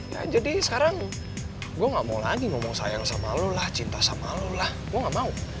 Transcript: ya jadi sekarang gue gak mau lagi ngomong sayang sama lo lah cinta sama lo lah gue gak mau